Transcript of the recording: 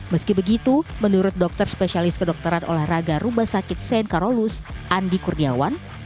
meski begitu menurut dokter spesialis kedokteran olahraga rumah sakit shane karolus andi kurniawan